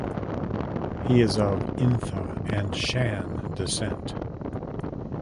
He is of Intha and Shan descent.